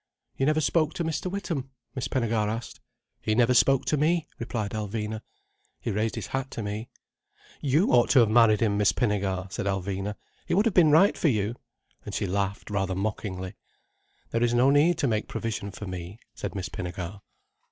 "You never spoke to Mr. Witham?" Miss Pinnegar asked. "He never spoke to me," replied Alvina. "He raised his hat to me." "You ought to have married him, Miss Pinnegar," said Alvina. "He would have been right for you." And she laughed rather mockingly. "There is no need to make provision for me," said Miss Pinnegar.